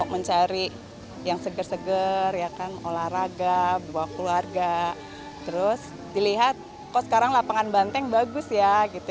mencari yang seger seger ya kan olahraga bawa keluarga terus dilihat kok sekarang lapangan banteng bagus ya gitu